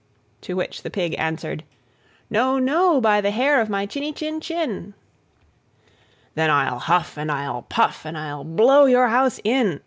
To which the Pig answered, "No, no, by the hair of my chinny chin chin." "Then I'll huff and I'll puff, and I'll blow your house in!"